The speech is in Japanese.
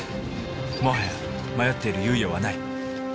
もはや迷っている猶予はない。